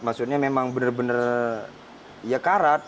maksudnya memang benar benar ya karat